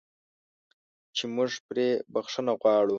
چې موږ پرې بخښنه غواړو.